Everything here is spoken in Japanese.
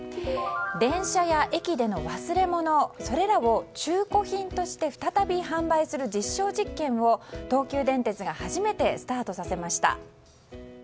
電車や駅での忘れ物それらを中古品として再び販売する実証実験を東急電鉄が初めてスタートさせました。